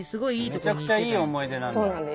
めちゃくちゃいい思い出なんだ。